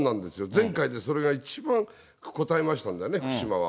前回で、それが一番こたえましたんでね、福島は。